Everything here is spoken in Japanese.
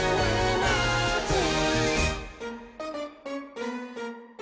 ノージー！